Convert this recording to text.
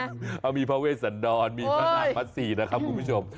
เอ้ามีพระเวทสันดอนน้ารัฐปัสดีนะครับคุณผู้ชม